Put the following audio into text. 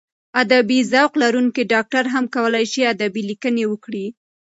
ادبي ذوق لرونکی ډاکټر هم کولای شي ادبي لیکنې وکړي.